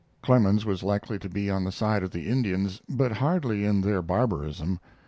Clemens was likely to be on the side of the Indians, but hardly in their barbarism.